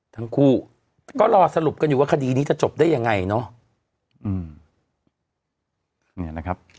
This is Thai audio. ทั้งคู่ก็รอสรุปกันอยู่ว่าคดีนี้จะจบได้ยังไงเนอะอืมเนี่ยนะครับ